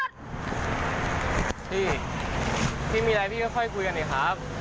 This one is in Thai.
พี่พี่มีอะไรพี่ก็ค่อยคุยกันสิครับ